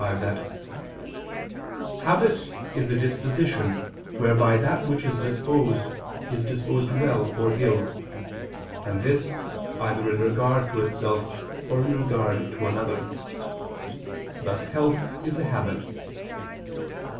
25) that "habit is a disposition whereby that which is disposed is disposed well or ill, and this, either in regard to itself or in regard to another: thus health is a habit."